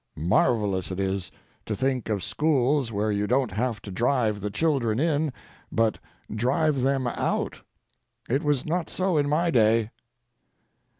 Marvellous it is, to think of schools where you don't have to drive the children in but drive them out. It was not so in my day.